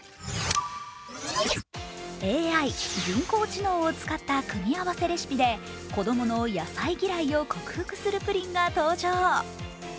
ＡＩ＝人工知能を使った組み合わせレシピで子供の野菜嫌いを克服するプリンが登場。